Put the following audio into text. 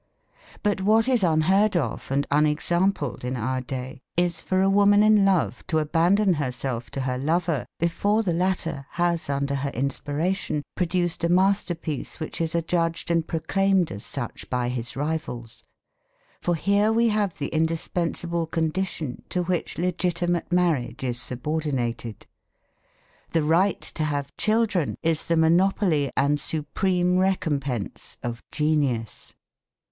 But what is unheard of and unexampled in our day is for a woman in love to abandon herself to her lover before the latter has under her inspiration produced a masterpiece which is adjudged and proclaimed as such by his rivals. For here we have the indispensable condition to which legitimate marriage is subordinated. The right to have children is the monopoly and supreme recompense of genius.